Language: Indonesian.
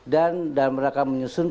dan mereka menyusun